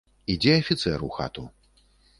Ідзе афіцэр ў хату.